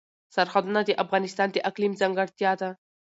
سرحدونه د افغانستان د اقلیم ځانګړتیا ده.